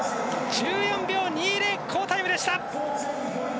１４秒２０、好タイムでした。